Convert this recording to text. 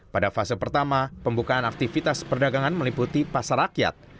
pada fase pertama pembukaan aktivitas perdagangan meliputi pasar rakyat